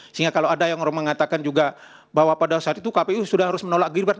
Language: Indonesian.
sehingga kalau ada yang mengatakan juga bahwa pada saat itu kpu sudah harus menolak gilbert